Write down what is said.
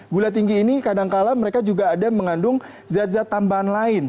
gula tinggi ini kadangkala mereka juga ada mengandung zat zat tambahan lain